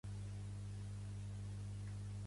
Exchange, i el Roxy.